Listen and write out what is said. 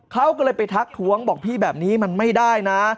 เขาก็เลยไปทักท้วงบอกพี่แบบนี้มันไม่ได้นะ